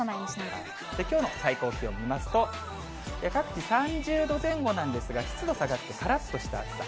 きょうの最高気温見ますと、各地３０度前後なんですが、湿度下がってからっとした暑さ。